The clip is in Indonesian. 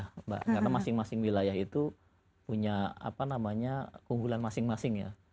karena masing masing wilayah itu punya keunggulan masing masing ya